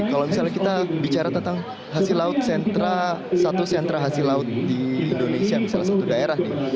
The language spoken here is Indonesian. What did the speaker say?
kalau misalnya kita bicara tentang hasil laut sentra satu sentra hasil laut di indonesia misalnya satu daerah nih